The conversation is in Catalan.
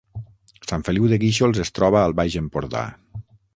Sant Feliu de Guíxols es troba al Baix Empordà